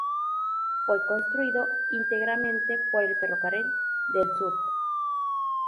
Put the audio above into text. Fue construido íntegramente por el Ferrocarril del Sud.